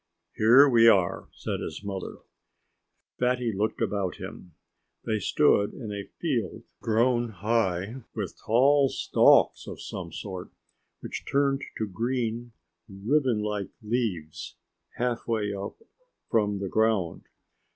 "Here we are!" said his mother. Fatty looked about him. They stood in a field grown high with tall stalks of some sort, which turned to green, ribbon like leaves half way up from the ground.